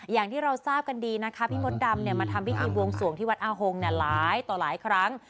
อย่างที่เราทราบกันดีนะคะพี่มดดำมาทำพิธีบวงสวงที่วัดอาหงหลายต่อหลายครั้ง